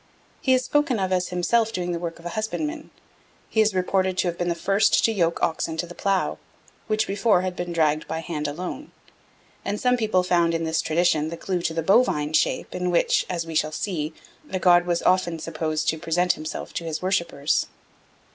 He is spoken of as himself doing the work of a husbandman: he is reported to have been the first to yoke oxen to the plough, which before had been dragged by hand alone; and some people found in this tradition the clue to the bovine shape in which, as we shall see, the god was often supposed to present himself to his worshippers.